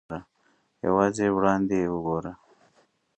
یوازې وړاندې وګورئ.